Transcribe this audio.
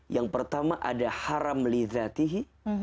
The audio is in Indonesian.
yang pertama ada haram li zatihi